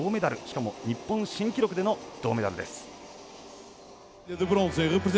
しかも、日本新記録での銅メダルです。